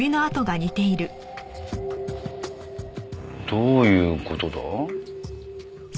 どういう事だ？